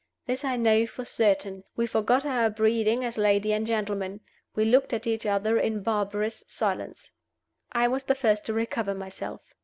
This I know for certain, we forgot our breeding as lady and gentleman: we looked at each other in barbarous silence. I was the first to recover myself.